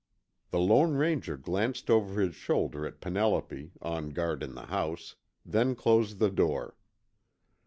The Lone Ranger glanced over his shoulder at Penelope, on guard in the house, then closed the door.